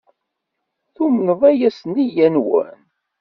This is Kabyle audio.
Tumnem aya s nneyya-nwen?